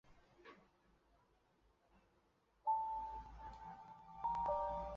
南朝官员。